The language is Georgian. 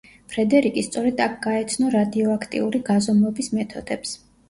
ფრედერიკი სწორედ აქ გაეცნო რადიოაქტიური გაზომვების მეთოდებს.